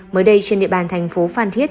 mới đây trên địa bàn thành phố phan thiết